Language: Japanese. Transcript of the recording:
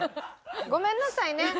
ごめんなさいね。